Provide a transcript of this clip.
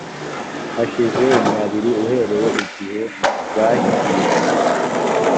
hashize imyabiri uhereye igihe rwakiriye